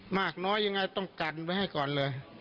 มากน้อยยังไงต้องกันไว้ให้ก่อนเลย